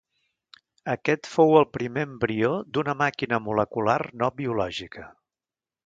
Aquest fou el primer embrió d'una màquina molecular no biològica.